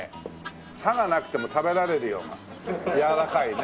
歯がなくても食べられるようなやわらかいね。